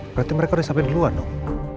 berarti mereka udah sampai di luar dong